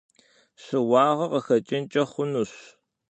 Щыуагъэ къыхэкӏынкӏэ хъунущ.